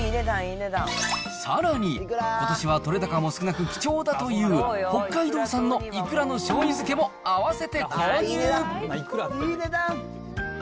さらに、ことしは取れ高も少なく貴重だという、北海道産のイクラのしょうゆ漬けも合わせて購入。